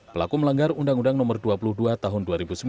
pelaku melanggar undang undang nomor dua puluh dua tahun dua ribu sembilan